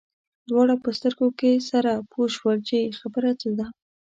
دواړه په سترګو کې سره پوه شول چې خبره څه ده.